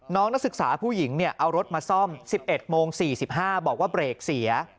นักศึกษาผู้หญิงเอารถมาซ่อม๑๑โมง๔๕บอกว่าเบรกเสีย